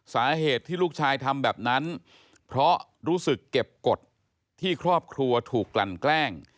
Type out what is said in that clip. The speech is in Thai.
สาเหตุที่ลูกชายทำแบบนั้นเพราะรู้สึกเก็บกฎที่ครอบครัวถูกกลั่นแกล้ง